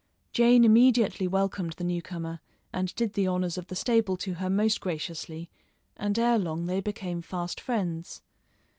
Jane immediately welcomed the new comer and did the honours of the stable to her most graciously, and ere long they became fast friends.